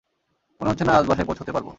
মনে হচ্ছে না আজ বাসায় পৌঁছাতে পারবো!